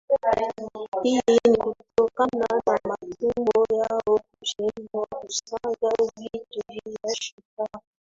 Hii ni kutokana na matumbo yao kushindwa kusaga vitu vya sukari